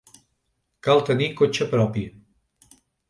Cal tenir cotxe propi.